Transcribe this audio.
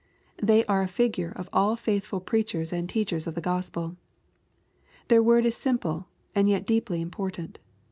They are a figure of all faithful preachers and teachers of the Gospel. Their word is simple, and yet deeply important.